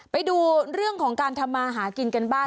ไปดูเรื่องของการทำมาหากินกันบ้าง